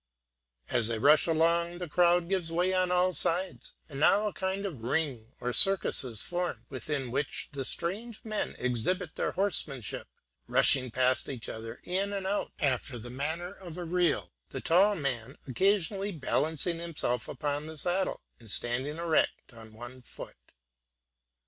As they rush along, the crowd give way on all sides, and now a kind of ring or circus is formed, within which the strange men exhibit their horsemanship, rushing past each other, in and out, after the manner of a reel, the tall man occasionally balancing himself upon the saddle, and standing erect on one foot.